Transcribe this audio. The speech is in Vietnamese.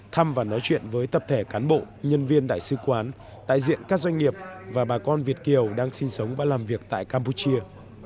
thăm và nói chuyện với tập thể cán bộ nhân viên đại sứ quán đại diện các doanh nghiệp và bà con việt kiều đang sinh sống và làm việc tại campuchia